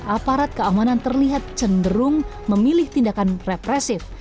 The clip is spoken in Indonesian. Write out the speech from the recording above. aparat keamanan terlihat cenderung memilih tindakan represif